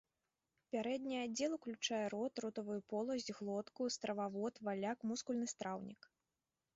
Пярэдні аддзел уключае рот, ротавую поласць, глотку, стрававод, валляк, мускульны страўнік.